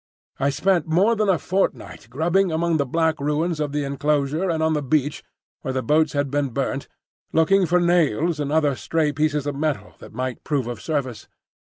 I spent more than a fortnight grubbing among the black ruins of the enclosure and on the beach where the boats had been burnt, looking for nails and other stray pieces of metal that might prove of service.